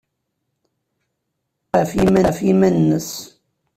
Terra ɣef yiman-nnes.